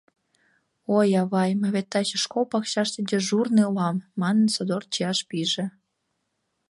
«Ой, авай, мый вет таче школ пакчаште дежурный улам!» — манын, содор чияш пиже.